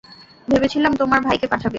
ভেবেছিলাম তোমার ভাইকে পাঠাবে।